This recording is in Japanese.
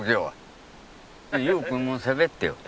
悠君もしゃべってよ。